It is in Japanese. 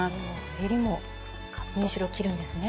えりも縫い代を切るんですね。